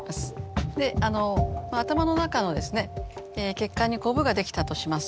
であの頭の中の血管にこぶができたとします。